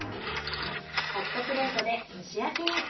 ホットプレートで蒸し焼きに。